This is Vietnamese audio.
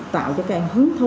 tạo cho các em hứng thú